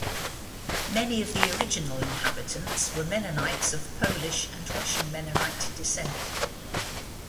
Many of the original inhabitants were Mennonites of Polish and Russian Mennonite descent.